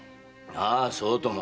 そうとも。